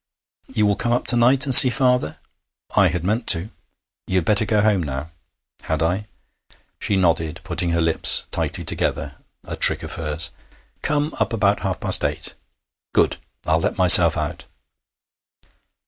'You will come up to night and see father?' 'I had meant to.' 'You had better go home now.' 'Had I?' She nodded, putting her lips tightly together a trick of hers. 'Come up about half past eight.' 'Good! I will let myself out.'